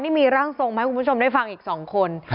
นี่มีร่างทรงมาให้คุณผู้ชมได้ฟังอีก๒คน